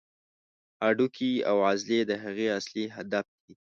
هډوکي او عضلې د هغې اصلي هدف دي.